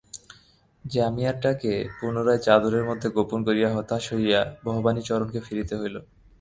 জামিয়ারটাকে পুনরায় চাদরের মধ্যে গোপন করিয়া হতাশ হইয়া ভবানীচরণকে ফিরিতে হইল।